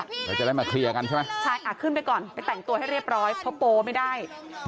แล้วจะได้มาเคลียร์กันใช่ไหมใช่อ่ะขึ้นไปก่อนไปแต่งตัวให้เรียบร้อยเพราะโปไม่ได้